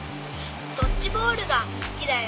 ドッジボールがすきだよ。